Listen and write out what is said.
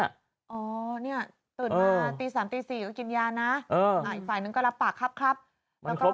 ฯยาน่ะอ่ะอีกฝ่ายหนึ่งก็รับปากครับครับมันครบ